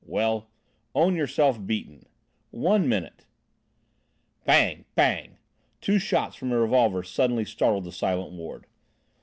"Well, own yourself beaten!" "One minute." Bang! Bang! Two shots from a revolver suddenly startled the silent ward.